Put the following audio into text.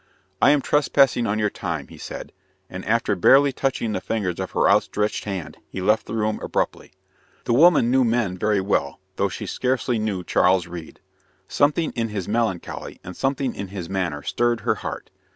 "I am trespassing on your time," he said; and, after barely touching the fingers of her outstretched hand, he left the room abruptly. The woman knew men very well, though she scarcely knew Charles Reade. Something in his melancholy and something in his manner stirred her heart.